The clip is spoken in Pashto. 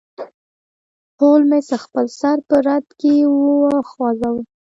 هولمز خپل سر په رد کې وخوزاوه.